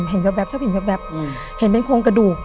ชอบเห็นแว๊บเห็นเป็นโครงกระดูก